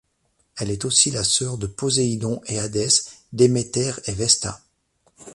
Elle est aussi la sœur de poséidon et hadès, Demeter et Vesta.